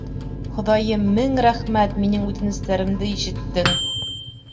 — Хоҙайым, мең рәхмәт, минең үтенестәремде ишеттең.